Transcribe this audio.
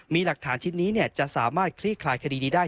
มีหลักฐานชิ้นนี้จะสามารถคลี่คลายคดีนี้ได้